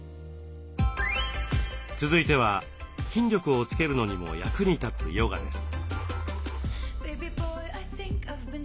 続いては筋力をつけるのにも役に立つヨガです。